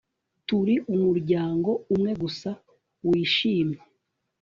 Turi umuryango umwe gusa wishimye